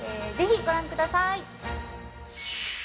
ぜひご覧ください。